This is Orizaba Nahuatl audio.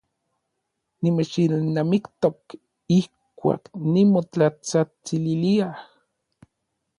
Nimechilnamiktok ijkuak nimotlatsajtsililia.